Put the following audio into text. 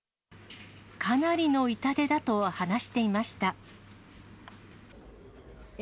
かなりの痛手だと話していました。